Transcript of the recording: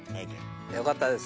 よかったです